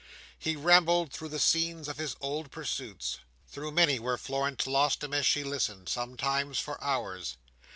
He rambled through the scenes of his old pursuits—through many where Florence lost him as she listened—sometimes for hours.